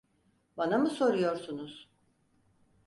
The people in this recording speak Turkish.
Bana mı soruyorsunuz?